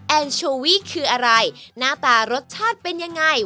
โชวี่คืออะไรหน้าตารสชาติเป็นยังไง